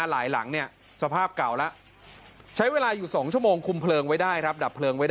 หลายหลังเนี้ยสภาพเก่าล่ะใช้เวลาอยู่สองชั่วโมงคุมเพลิงไว้ได้ครับ